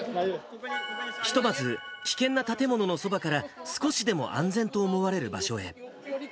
ひとまず、危険な建物のそばから少しでも安全と思われる場所へ。